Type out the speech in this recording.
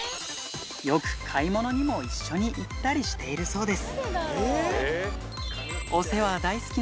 よく買い物にも一緒に行ったりしているそうです。